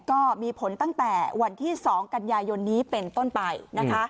ก็มีผลตั้งแต่วันที่๒กันยายนนี้เป็นต้นไปนะคะ